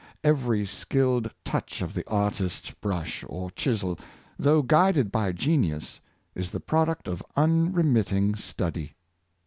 Every skilled touch of the artist's brush or chisel, though guided by genius, is the product of unremitting study.